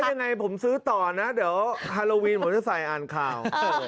ยังไงผมซื้อต่อนะเดี๋ยวฮาโลวีนผมจะใส่อ่านข่าว